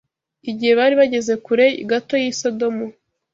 Igihe bari bageze kure gato y’i Sodomu